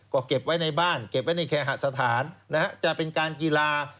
ก็เก็บไว้ในบ้านเก็บไว้ในแคหสถานนะฮะจะเป็นการกีฬา